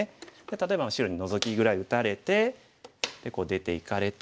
例えば白にノゾキぐらい打たれてこう出ていかれて。